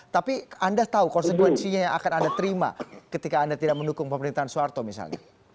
tapi anda tahu konsekuensinya yang akan anda terima ketika anda tidak mendukung pemerintahan soeharto misalnya